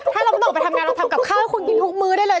ถ้าเราไม่ต้องออกไปทำงานเราทำกับข้าวให้คุณกินทุกมื้อได้เลย